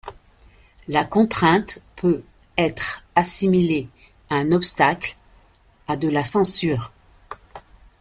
La contrainte peut être assimilée à un obstacle, à de la censure.